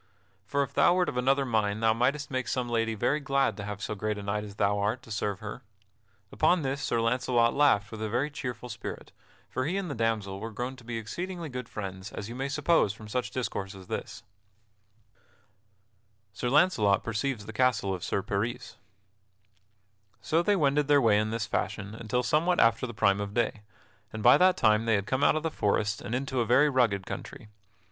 For if thou wert of another mind thou mightest make some lady very glad to have so great a knight as thou art to serve her." Upon this Sir Launcelot laughed with a very cheerful spirit, for he and the damsel were grown to be exceedingly good friends, as you may suppose from such discourse as this. [Sidenote: Sir Launcelot perceives the Castle of Sir Peris] So they wended their way in this fashion until somewhat after the prime of day, and by that time they had come out of that forest and into a very rugged country.